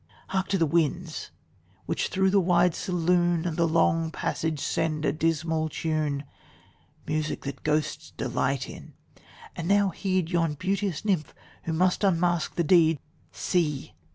Hark to the winds! which through the wide saloon And the long passage send a dismal tune, Music that ghosts delight in and now heed Yon beauteous nymph, who must unmask the deed. See!